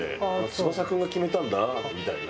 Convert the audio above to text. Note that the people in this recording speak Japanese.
「翼君が決めたんだ」みたいな。